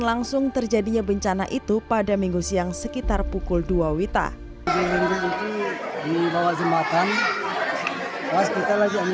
langsung terjadinya bencana itu pada minggu siang sekitar pukul dua wita di bawah jembatan